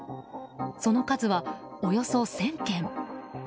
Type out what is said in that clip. その数は、およそ１０００件。